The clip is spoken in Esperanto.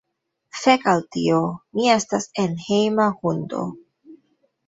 Fek' al tio. Mi estas enhejma hundo